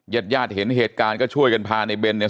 เย็ดยาดเห็นเหตุการก็ช่วยกันพาในแบรนด์เนี่ย